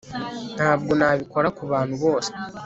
ntabwo nabikora kubantu bose